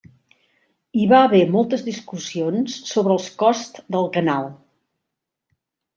Hi va haver moltes discussions sobre els costs del canal.